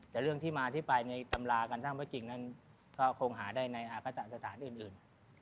แต่เรื่องที่มาที่ไปในตำราการสร้างพระจริงนั้นก็คงหาได้ในอาคารสถานอื่น